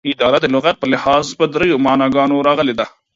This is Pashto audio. اداره دلغت په لحاظ په دریو معناګانو راغلې ده